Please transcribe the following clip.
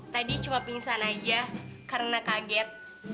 tadi cuma pingsan aja karena kaget